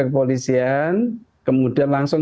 kepolisian kemudian langsung